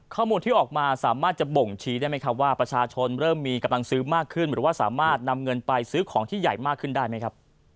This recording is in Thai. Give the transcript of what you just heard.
ข้อมูลที่ออกมาสามารถจะบ่งชี้ได้ไหมครับว่าประชาชนเริ่มมีกำลังซื้อมากขึ้นหรือว่าสามารถนำเงินไปซื้อของที่ใหญ่มากขึ้นได้ไหมครับ